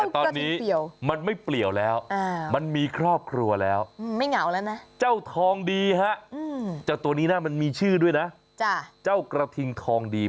ข่าวนี้เหมาะกับคุณจริง